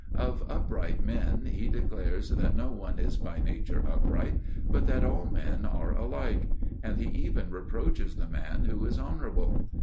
Of upright men, he declares that no one is by nature upright, but that all men are alike, and he even reproaches the man who is honorable.